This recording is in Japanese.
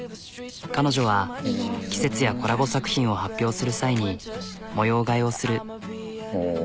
彼女は季節やコラボ作品を発表する際に模様替えをする。